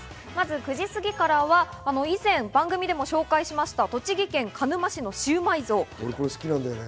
９時すぎからは以前、番組でも紹介した栃木県鹿沼市のシウマイ像。